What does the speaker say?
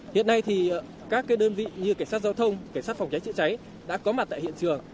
hiện nay thì các đơn vị như cảnh sát giao thông cảnh sát phòng cháy chữa cháy đã có mặt tại hiện trường